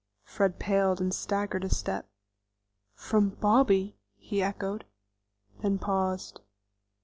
Fred paled and staggered a step. "From Bobby!" he echoed, then paused.